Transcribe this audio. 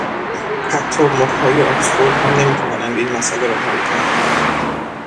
حتی مخهای آکسفورد هم نمیتوانند این مسئله را حل کنند.